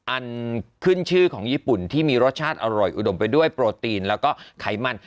อันขึ้นชื่อของญี่ปุ่นที่มีรสชาติอร่อยอุดมไปด้วยโปรตีนแล้วก็ไขมัน